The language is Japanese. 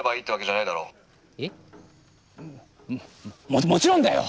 ももちろんだよ！